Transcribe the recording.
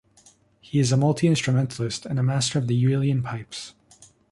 He is a multi-instrumentalist and a master of the Uilleann pipes.